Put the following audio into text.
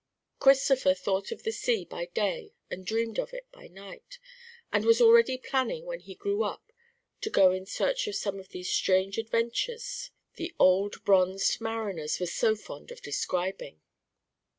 Christopher thought of the sea by day, and dreamed of it by night, and was already planning when he grew up to go in search of some of those strange adventures the old bronzed mariners were so fond of describing.